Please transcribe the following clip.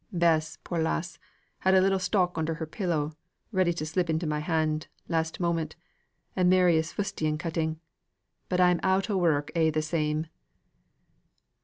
Bess, poor lass, had a little stock under her pillow, ready to slip into my hand, last moment, and Mary is fustian cutting. But I'm out of work a' the same."